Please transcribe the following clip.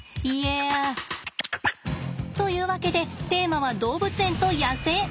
イエア。というわけでテーマは動物園と野生。